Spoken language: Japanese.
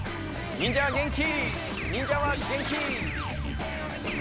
忍者は元気！